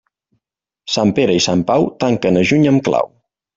Sant Pere i Sant Pau tanquen a juny amb clau.